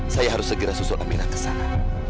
saya harus segera susun amira ke sana